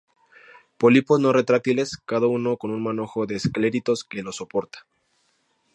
Pólipos no retráctiles, cada uno con un manojo de escleritos que lo soporta.